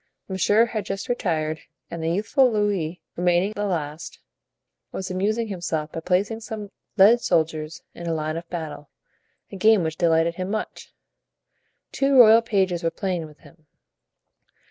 Monsieur had just retired, and the youthful Louis, remaining the last, was amusing himself by placing some lead soldiers in a line of battle, a game which delighted him much. Two royal pages were playing with him.